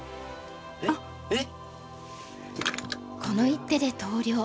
この一手で投了。